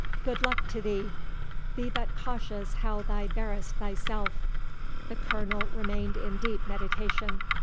—Good luck to thee—Be but cautious how thou bearest thyself." The Colonel remained in deep meditation.